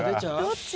どっち？